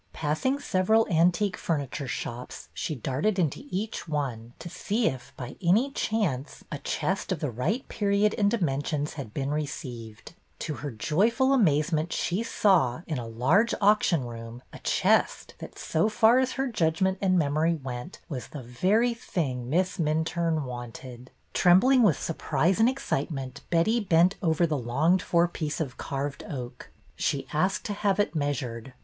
Passing several antique furniture shops, she darted into each one to see if, by any chance, a chest of the right period and dimensions had been received. To her joyful amazement she saw, in a large auction room, a chest that, so far as her judg ment and memory went, was the very thing Miss Minturne wanted. Trembling with surprise and excitement, Betty bent over the longed for piece of carved oak. She asked to have it measured.